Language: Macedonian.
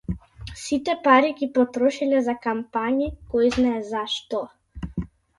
Сите пари ги потрошиле за кампањи, којзнае за што.